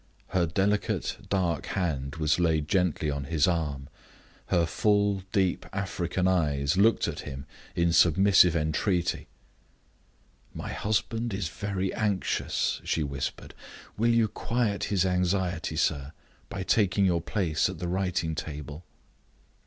Her delicate dark hand was laid gently on his arm; her full deep African eyes looked at him in submissive entreaty. "My husband is very anxious," she whispered. "Will you quiet his anxiety, sir, by taking your place at the writing table?"